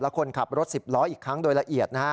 คนขับรถ๑๐ล้ออีกครั้งโดยละเอียดนะฮะ